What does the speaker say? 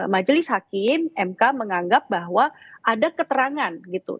majelis hakim mk menganggap bahwa ada keterangan gitu